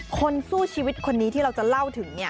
คนสู้ชีวิตคนนี้ที่เราจะเล่าถึง